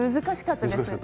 難しかった？